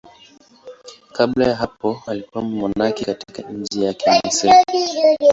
Kabla ya hapo alikuwa mmonaki katika nchi yake, Misri.